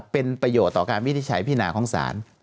เป็นประโยชน์ต่อการวิทย์ใช้พินาของสาร